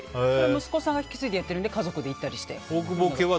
息子さんが引き継いでやっているのでそこで家族で行ったり。